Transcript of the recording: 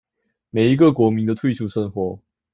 每一個國民的退休生活